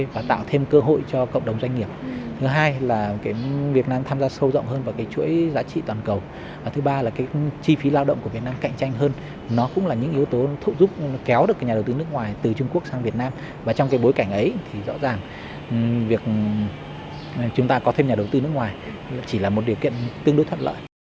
và trong bối cảnh ấy thì rõ ràng việc chúng ta có thêm nhà đầu tư nước ngoài chỉ là một điều kiện tương đối thất lợi